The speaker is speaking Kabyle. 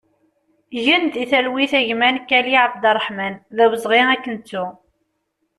Gen di talwit a gma Nekali Abderraḥman, d awezɣi ad k-nettu!